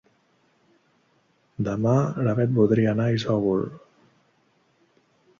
Demà na Beth voldria anar a Isòvol.